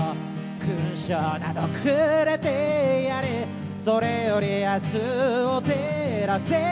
「勲章などくれてやれそれより明日を照らせ」